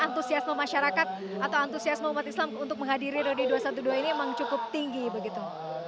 antusiasme masyarakat atau antusiasme umat islam untuk menghadiri reuni dua ratus dua belas ini memang cukup tinggi begitu